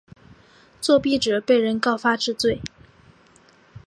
作弊者被人告发治罪。